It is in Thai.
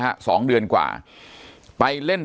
ปากกับภาคภูมิ